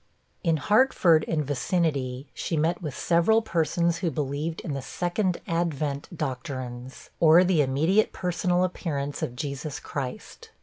In Hartford and vicinity, she met with several persons who believed in the 'Second Advent' doctrines; or, the immediate personal appearance of Jesus Christ.